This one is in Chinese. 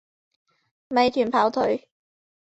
美团跑腿